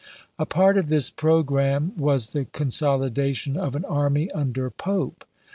A part of this programme was the consolidation of an army under Pope.